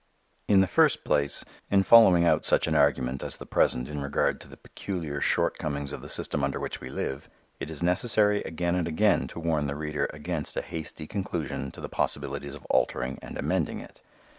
In the first place in following out such an argument as the present in regard to the peculiar shortcomings of the system under which we live, it is necessary again and again to warn the reader against a hasty conclusion to the possibilities of altering and amending it.